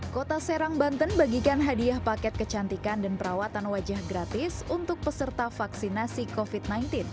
kota serang banten bagikan hadiah paket kecantikan dan perawatan wajah gratis untuk peserta vaksinasi covid sembilan belas